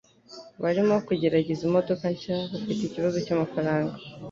Barimo kugerageza imodoka nshya. Bafite ikibazo cyamafaranga.